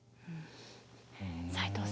齋藤さん